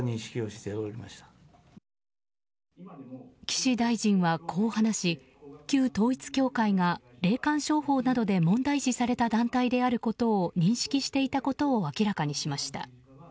岸大臣はこう話し旧統一教会が、霊感商法などで問題視された団体であることを認識していたことを明らかにしました。